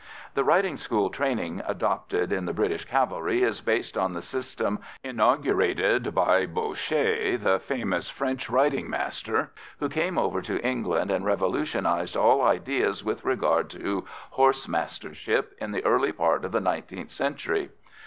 The riding school training adopted in the British cavalry is based on the system inaugurated by Baucher, the famous French riding master who came over to England and revolutionised all ideas with regard to horsemastership in the early part of the nineteenth century.